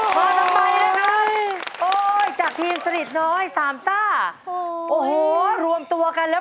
มาจะไม่ไม่รักก็ไม่ต้องมา